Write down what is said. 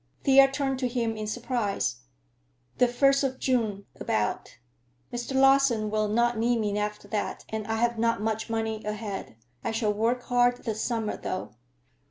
Thea turned to him in surprise. "The first of June, about. Mr. Larsen will not need me after that, and I have not much money ahead. I shall work hard this summer, though."